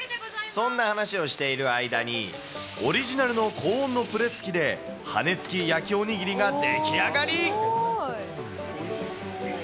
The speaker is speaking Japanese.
そんな話をしている間に、オリジナルの高温のプレス機で、羽根つき焼きおにぎりが出来上がり。